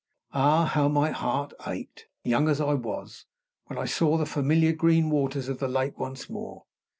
Ah, how my heart ached (young as I was) when I saw the familiar green waters of the lake once more!